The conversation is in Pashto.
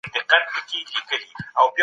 په ټولنه کي خپل ځای پيدا کړئ.